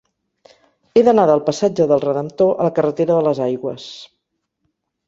He d'anar del passatge del Redemptor a la carretera de les Aigües.